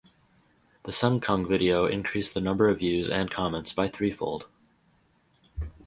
The Sengkang video increased the number of views and comments by threefold.